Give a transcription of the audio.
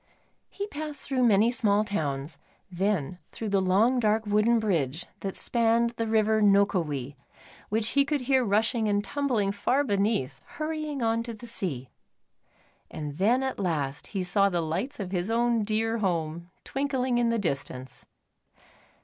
He passed through many small towns, then through the long, dark, wooden bridge that spanned the river Nokowi, which he could hear rushing and tumbling far beneath, hurrying on to the sea. And then at last he saw the lights of his own dear home, twinkling in the distance.